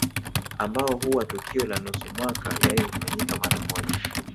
Ambao huwa tukio la nusu mwaka yani hufanyika mara moja